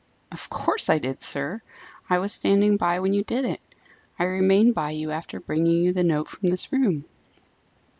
"Of course I did, sir. I was standing by when you did it: I remained by you after bringing you the note from this room."